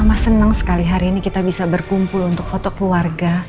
mama senang sekali hari ini kita bisa berkumpul untuk foto keluarga